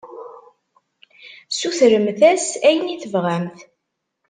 Sutremt-as ayen i tebɣamt.